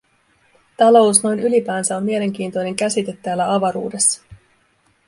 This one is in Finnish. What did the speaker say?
Talous noin ylipäänsä on mielenkiintoinen käsite täällä avaruudessa.